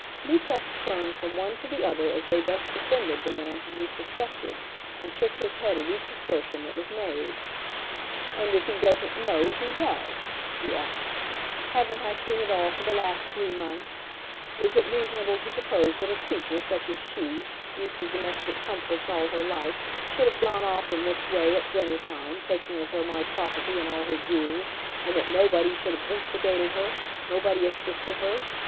Lupex turned from one to the other as they thus defended the man whom he suspected, and shook his head at each assertion that was made. "And if he doesn't know who does?" he asked. "Haven't I seen it all for the last three months? Is it reasonable to suppose that a creature such as she, used to domestic comforts all her life, should have gone off in this way, at dinner time, taking with her my property and all her jewels, and that nobody should have instigated her; nobody assisted her!